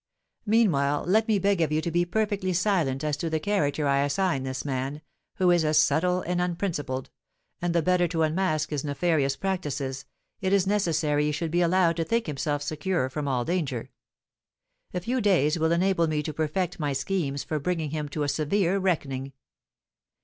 Meanwhile let me beg of you to be perfectly silent as to the character I assign this man, who is as subtle as unprincipled; and the better to unmask his nefarious practices, it is necessary he should be allowed to think himself secure from all danger; a few days will enable me to perfect my schemes for bringing him to a severe reckoning.